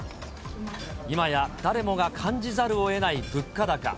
今や誰もが感じざるをえない物価高。